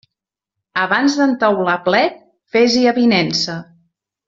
Abans d'entaular plet, fes-hi avinença.